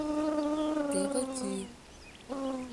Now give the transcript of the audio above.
— Теве кӱ.